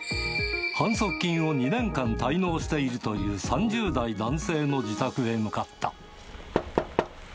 反則金を２年間滞納しているという３０代男性の自宅へ向かった。